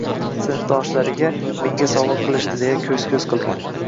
sinfdoshlariga “menga sovg‘a qilishdi”, deya ko‘z-ko‘z qilgan.